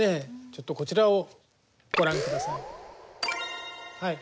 ちょっとこちらをご覧ください。